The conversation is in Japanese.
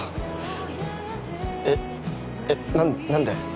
えっえっなんで？